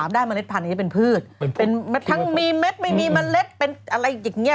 ได้เมล็ดพันธุ์เป็นพืชเป็นเม็ดทั้งมีเม็ดไม่มีเมล็ดเป็นอะไรอย่างนี้